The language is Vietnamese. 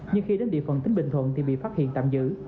nhưng khi đến địa phận tỉnh bình thuận thì bị phát hiện tạm giữ